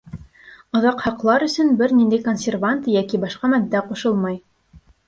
Оҙаҡ һаҡлар өсөн бер ниндәй консервант йәки башҡа матдә ҡушылмай.